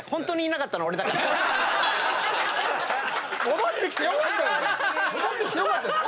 戻ってきてよかったです。